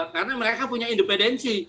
karena mereka punya independensi